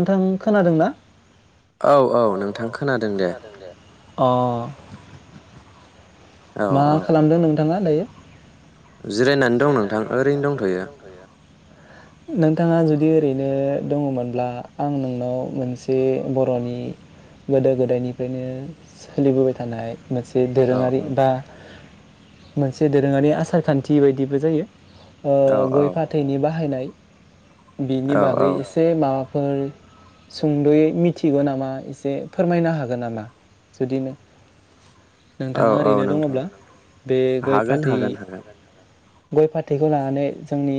नोंथां खोनादोंना औ-औ नोंथां खोनादों दे अ मा खालामदों नोंथाङा दायो? [inaudible] जिरायनानै दं नोंथां ओरैनो दंथ'यो नोंथाङा जुदि ओरैनो दङमोनब्ला आं नोंनाव मोनसे बर'नि गोदो- गोदायनिफ्रायनो सोलिबोबाय थानाय मोनसे दोरोङारि बा मोनसे दोरोङारि आसार खान्थि बायदिबो जायो। ओ गय-फाथैनि बाहायनाय बिनि बागै एसे माबा फोर सुंद'यै मिथिगौ नामा एसे फोरमायनो हागोन नामा जुदि नोंथाङा ओरैनो दङब्ला बे गय फाथै गय फाथैखौ लानानै जोंनि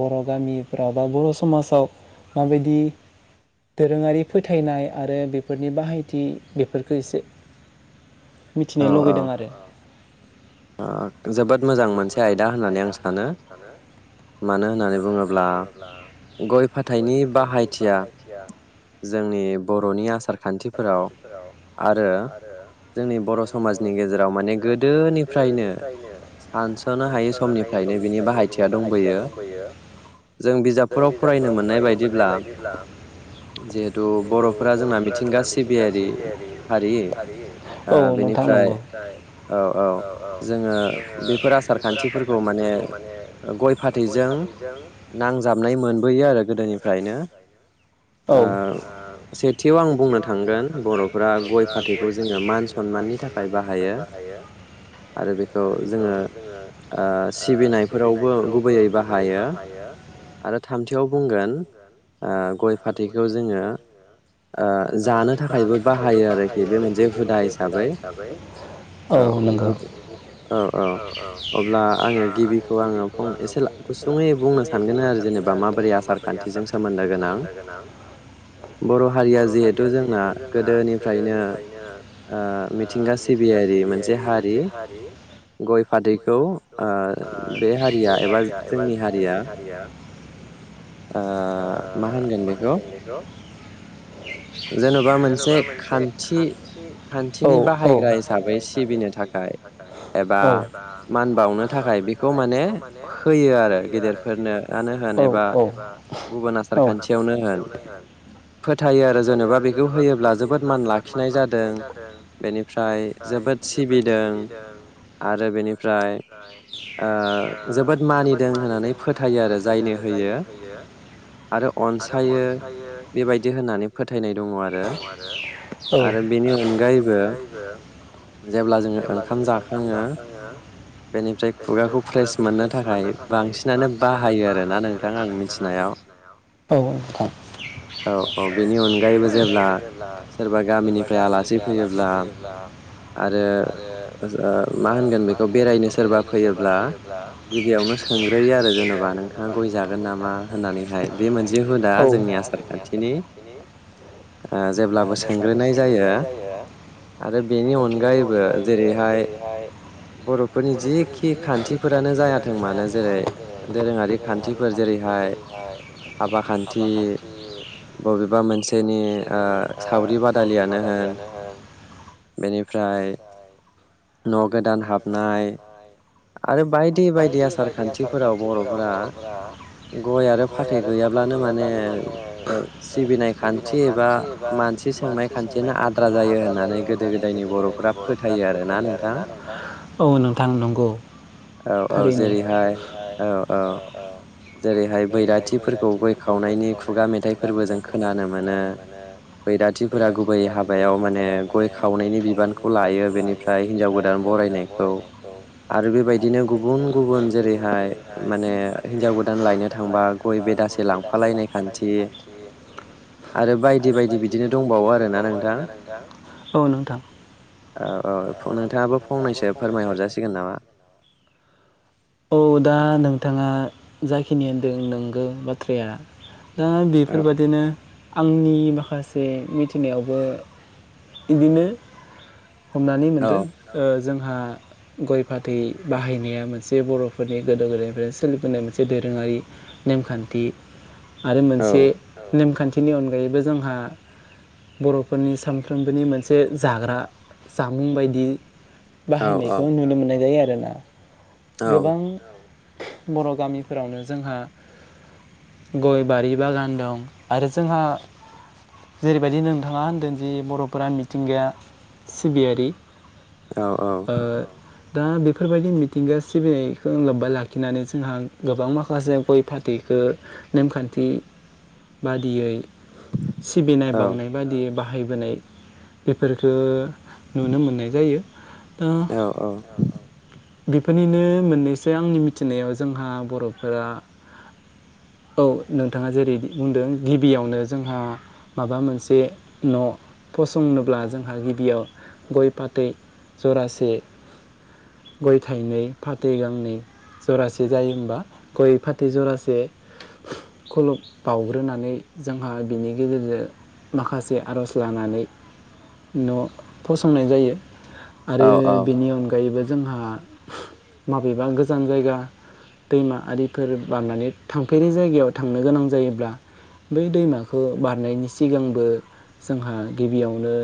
बर' गामिफ्राव बा बर' समाजाव माबायदि दोरोङारि फोथायनाय आरो बेफोरनि बाहायथि बेफोरखौ एसे मिथिनो लुगैदों आरो ओ जोबोद मोजां मोनसे आयदा होननानै आं सानो मानो होननानै बुङोब्ला गय फाथैनि बाहायथिया जोंनि बर'नि आसार खान्थिफोराव आरो जोंनि बर' समाजनि गेजेराव माने गोदोनि दोनिफ्रायनो सानसनो हायै समनिफ्रायनो बिनि बाहायथिया दंबोयो जों बिजाबफोराव फरायनो मोननाय बायदिब्ला जिहेतु बर'फोरा जोंना मिथिंगा सिबियारि हारि [inaudible] औ नोंथां नंगौ औ औ जोङो बेफोर आसार खान्थिफोरखौ माने गय फाथैजों नांजाबनाय मोनबोयो आरो गोदोनिफ्रायनो ओ सेथियाव आं बुंनो थांगोन बर'फोरा गय फाथैखौ जोङो मान सनमाननि थाखाय बाहायो। आरो बेखौ जोङो जोङो ओ सिबिनायफोरावबो गुबैयै बाहायो आरो थामथियाव बुंगोन ओ गय फाथैखौ जोङो जानो थाखायबो बाहायो आरोखि बे मोनसे हुदा हिसाबै औ नंगौ। औ औ औ औ अब्ला आङो गिबिखौ आङो फंसे सला गुसुङै बुंनो सानगोन आरो जेनेबा माबोरै आसार खान्थिजों सोमोन्दो गोनां बर' हारिया जिहेथु जोंना गोदोनिफ्रायनो ओ मिथिंगा सिबियारि मोनसे हारि गय फाथैखौ ओ बे हारिया एबा जोंनि हारिया ओ मा होनगोन बेखौ जेन'बा मोनसे खान्थि औ औ बाहायनाय हिसाबै सिबिनो एबा एबा मान बावनो थाखाय बेखौ माने होयो आरो गेदेरफोरनो औ औ औ जेनेबा [inaudible] आरो बेनि औ ओंखाम जाखाङो औ औ नोंथां ओ मा हानगोन बे खौ बेरायनो सोरबा फैयोब्ला गिबियावनो सोंग्रोयो आरो जेन'बा नोंथाङा गय जागोन नामा होननानैहाय बे मोनसे हुदा जोंनि आसार खान्थिनि ओ जेब्लाबो सोंग्रोनाय जायो आरो बेनि अनगायैबो जेरै जेरैहाय बर'फोरनि जिखि खान्थिफोरानो जायाथों मानो जेरै दोरोङारि खान्थिफोर जेरैहाय हाबा खान्थि बबेबा मोनसेनि ओ सावरि बादालियानो होन बेनिफ्राय न' गोदान हाबनाय आरो बायदि बायदि आसार खान्थिफोराव बर'फोरा गय आरो फाथै गैयाब्लानो माने ओ सिबिनाय खान्थि एबा मानसि सोंनाय खान्थियानो आद्रा जायो होननानै गोदो गोदायनि बर'फोरा फोथायो आरोना नोंथां औ नोंथां नंगौ औ औ जेरैहाय औ औ जेरैहाय बैराथिफोरखौ गय खावनायनि खुगा मेथाइ फोरबो जों खोनानो मोनो बैराथिफोरा गुबै हाबायाव माने गय खावनायनि बिबानखौ लायो बेनिफ्राय हिनजाव गोदान ङो बराय बरायनायखौ औ नोंथां फोरमायहरजासिगोन नामा। औ दा नोंथाङा जाखिनि होनदों नोंगो बाथ्राया दा बेफोरबायदिनो आंनि माखासे मिथिनायावबो बिदिनो हमनानै मोनदों ओ जोंहा गय फाथै बाहायनाया मोन से बर'फोरनि गोदो गोदायनिफ्रायनो सोलिबोनाय मोनसे दोरोङारि नेमखान्थि आरो मोनसे नेमखान बिनि अनगायैबो जोंहा बर'फोरनि सामफ्रोमबोनि मोनसे जाग्रा जामुं बायदि बाहायनायखौ नुनो मोननाय जायो आ रो ना। गोबां बर' गामिफोरावनो जोंहा गय बारि बागान दं आरो जोंहा जेरैबायदि नोंथाङा होनदों जि बर'फोरा मिथिंगा सिबियारि औ औ दा बेफोरबायदि मिथिंगा सिबिनायखो लोब्बा लाखिनानै जोंहा गोबां माखासे गय फाथैखो नेमखान्थि बादियै सिबिनाय बावनाय बादियै बाहा बाहायबोनाय बेफोरफोरखो नुनो मोननाय जायो। औ औ बि फोरनिनो मोननैसो आंनि मिथिनायाव जोंहा बर'फोरा औ नोंथाङा जेरै बुंदों गिबियावनो जोंहा माबा मोनसे न' फसंनोब्ला जोंहा गिबियाव गय फाथै जरासे गय थाइनै फाथै गांनै जरासे जायो होमबा गय फाथै जरासे खलब बावग्रोनानै जोंहा बिनि गेजेरजो माखासे आर'ज लानानै न' फसंनाय जायो। आरो बिनि अनगायैबो जोंहा माबेबा गोजान जायगा दैमा आरिफोर बारनानै थांफेरि जायगायाव थांनो गोनां जायोब्ला बै दैमाखो बारनायनि सिगांबो जोंहा गिबियावनो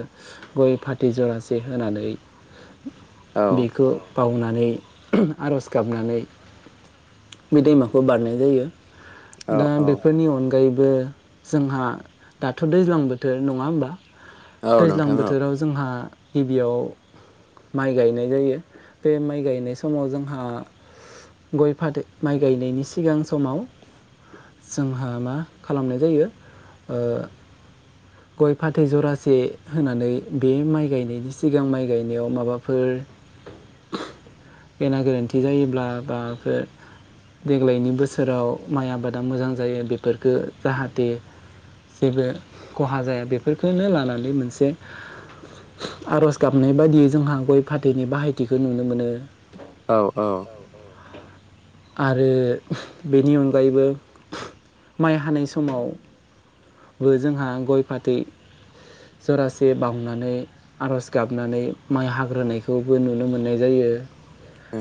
गय फाथै जरासे होनानै बेखो बावनानै आर'ज गाबनानै बे दैमाखौ बारनाय जायो। दा बेफोरनि अनगायै बो जोंहा दाथ' दैज्लां बोथोर नङा होमबा? दैज्लां बोथोराव जोंहा गिबियाव माइ गायनाय जायो बे माइ गायनाय समाव जोंहा गय फाथै माइ गायनायनि सिगां समाव जोंहा मा खालामनाय जायो ओ गय फाथै जरासे होनानै बे माइ गायनायनि सिगां माइ गायनायाव माबाफोर गेना गोरोन्थि जायोब्ला बाफोर देग्लायनि बोसोराव माइ आबादा मोजां जायो बेफोरफोरखो जाहाथे जेबो खहा जाया बेफोरखोनो लानानै मोनसे आर'ज गाबनाय बादियै जोंहा गय फाथैनि बाहायथिखो नुनो मोनो। औ औ आरो बेनि अनगायैबो माइ हानाय समावबो जोंहा गय फाथै जरासे बावनानै आर'ज गाबनानै माइ हाग्रोनायखौबो नुनो मोननाय जायो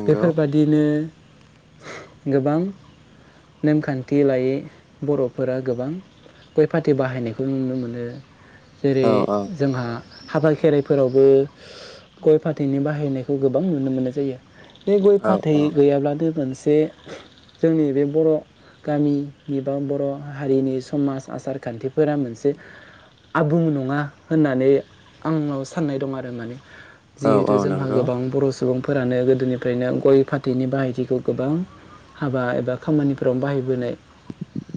बेफोरबादिनो गोबां नेमखान्थि लायै बर'फोरा गोबां गय फाथै बाहायनायखौ नुनो मोनो। मोनो। जेरै जोंहा हाबा खेराइफोरावबो गय फाथैनि बाहायनायखौ गोबां नुनो मोननाय जायो। बे गय फाथै गैयाब्लाथाय मोनसे जे जोंनि बे बर गामिनि बा बरहारिनि समाज आसार खान्थिफोरा मोनसे आबुं नङा होननानै आंनाव साननाय दं आरो माने। जिहेथु जोंहा गोबां बर सुबुंफोर फोरानो गोदोनिफ्रायनो गय फाथैनि बाहायथिखौ गोबां हाबा एबा खामानिफोराव बाहायबोनाय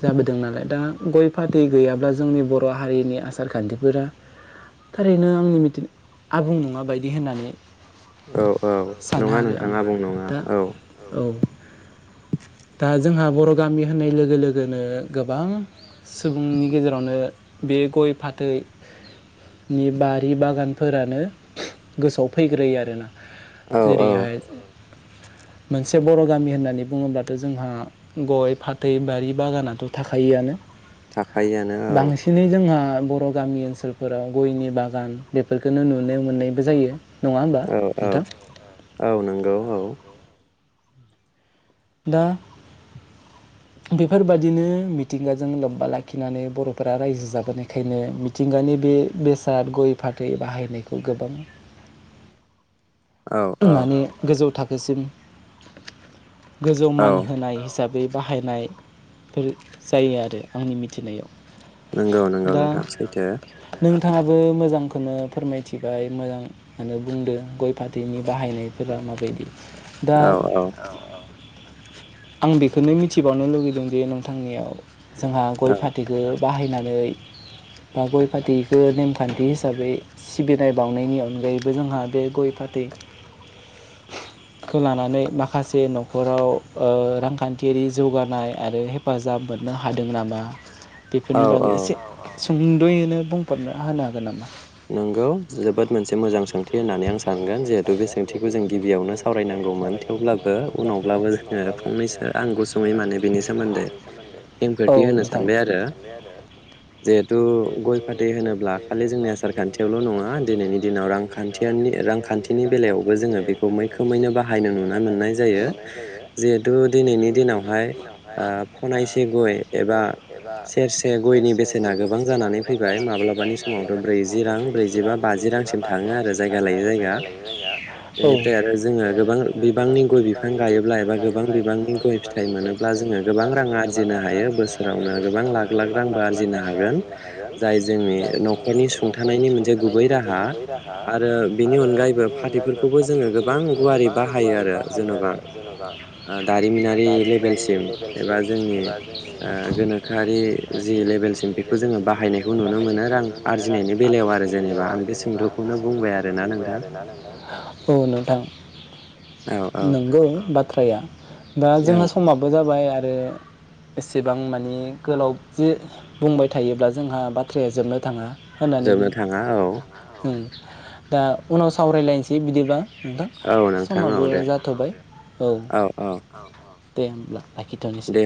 जाबोदों नालाय दा गय फाथै गैयाब्ला जोंनि बर बर हारिनि आसार खान्थिफोरा थारैनो आंनि मिथि आबुं नङा बायदि होननानै औ औ नङा नोंथाङा आबुं नङा औ। दा जोंहा बर गामि होननाय लोगो लोगोनो गोबां सुबुंनि गेजेरावनो बे गय फाथैनि बारि बागानफोरानो गोसोआव फैग्रोयो आरोना। जेरैहाय मोनसे बर' गामि होननानै बुङोब्लाथ जोंहा गय फाथै बारि बागानाथ थाखायोआनो। थाखायोआनो औ। जोंहा बर' गामि ओनसोलफोराव गयनि बागान बेफोरखौनो नुनो मोननायबो जायो। नङा होमबा नोंथां? दा बेफोरबादिनो मिथिंगाजों लोब्बा लाखिनानै बर'फोरा रायजो जाबोनायखायनो मिथिंगानि बे बेसाद गय फाथै बाहायनायखौ गोबां माने गोजौ थाखो सिम गोजौ मान होनाय हिसाबै बाहायनायफोर जायो आरो आंनि मिथिनायाव। नंगौ नंगौ नोंथां सैथो। थाङाबो मोजांखौनो फोरमायथिबाय मोजांखोनो बुंदों गय फाथै नि बाहायनायफोरा माबायदि। दा आं बेखौनो मिथिबावनो लुगैदों जे नोंथांनियाव जोंहा गय फाथैखौ बाहायनानै बा गय फाथैखौ नेमखान्थि हिसाबै सिबिनाय बाउनायनि अनगायैबो जोंहा बे गय फाथै खौ लानानै माखासे नखराव रांखान्थियारि जौगानाय आरो हेफाजाब मोननो हादों नामा? बेफोरनि बागै एसे सुंद'यैनो बुंफुरना होनो हागोन नामा? नोंगौ जोबोद मोनसे मोजां सोंथि होननानै आं सानगोन जिहेथु बे सोंथिखौ जों गिबियावनो सावरायनांगौमोन थेवब्लाबो उनावब्लाबो जोङो फंनैसो आं गुसुङै माने बिनि सोमोन्दै खेंफोरथि होनो सानबाय आरो जिहेथु गय फाथै होनोब्ला खालि जोंनि आसार खान्थियावल' नङा दिनैनि दिनाव रांखान्थि रांखान्थिनि बेलायावबो जोङो बेखौ मैखोमैनो बानायनो नुनो मोननाय जायो जेहेतु दिनैनि दिनावहाय ओ पनायसे गय ‌‌एबा सेरसे गयनि बेसेना गोबां जानानै फैबाय माब्लाबानि समावथ' ब्रैजि रां ब्रैजिबा, बाजि रांसिम थाङो आरो। जायगा लायो जायगा। बेनिफ्राय आरो जोङो गोबां बिबांनि गय बिफां गायोब्ला एबा गोबां बिबांनि गय फिथाइ मोनोब्ला जोङो गोबां रां आरजिनो हायो। बोसोरावनो गोबां लाख लाख रांबो आरजिनो हागोन जाय जोंनि न'खरनि [inaudible] आरो बिनि अनगायैबो फाथैफोरखौबो जोङो गोबां गुवारै बाहायो आरो जेन'बा दारिमिनारि लेबेलसिम एबा जोंनि ओ गोनोखोआरि जि लेभेलसिम बेखौ जोङो बाहायनायखौ नुनो मोनो रां आरजि नायनि बेलायाव आरो जेनेबा आं बे सुंद'खौनो बुंबाय आरो औ नोंथां। नोंगौ बा थ्राया दा जोंहा समाबो जाबाय आ रो एसेबां माने गोलाव जे बुंबाय थायोब्ला जोंहा बाथ्राया जोबनो थाङा जोबनो थाङा औ [inaudible] दा उनाव सावरायलायनोसै बिदिब्ला नोंथां समाबो जाथ'बाय औ दे होनब्ला लाखिथ'नोसै